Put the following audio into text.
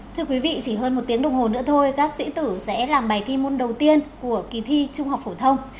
thưa quý vị chỉ hơn một tiếng đồng hồ nữa thôi các sĩ tử sẽ làm bài thi môn đầu tiên của kỳ thi trung học phổ thông